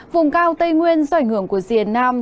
vùng cao tây nguyên do ảnh hưởng của rìa nam